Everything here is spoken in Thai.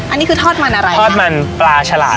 อันนี้คือทอดมันอะไรทอดมันปลาฉลาด